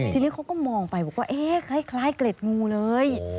ทีนี้เขาก็มองไปบอกว่าเอ๊ะคล้ายเกล็ดงูเลย